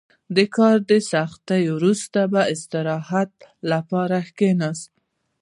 • د کار له سختۍ وروسته، د استراحت لپاره کښېنه.